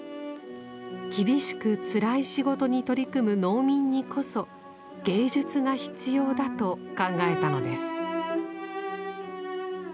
厳しくつらい仕事に取り組む農民にこそ芸術が必要だと考えたのです。